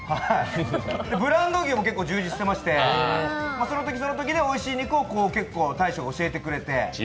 ブランド牛も充実していまして、そのときそのときでおいしい肉を結構、大将が教えてくれて。